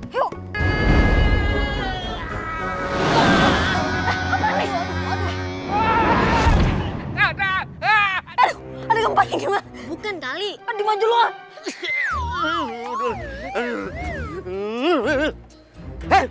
aduh aduh aduh aduh aduh aduh aduh aduh aduh aduh aduh aduh aduh aduh aduh aduh aduh aduh aduh aduh